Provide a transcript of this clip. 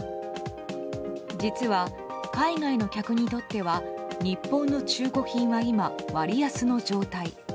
実は、海外の客にとっては日本の中古品が今割安の状態。